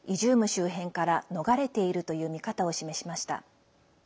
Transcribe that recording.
周辺から逃れているという見方を示しました。